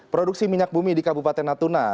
produksi minyak bumi di kabupaten natuna